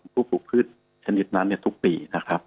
ผู้ปลูกพืชชนิดนั้นทุกปีนะครับ